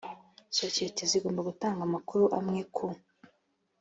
sosiyete zigomba gutanga amakuru amwe ku